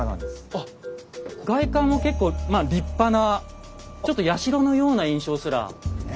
あっ外観も結構まあ立派なちょっと社のような印象すらありますよね。